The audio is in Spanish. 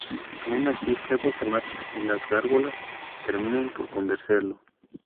Aun así Febo se marcha y las gárgolas terminan por convencerlo.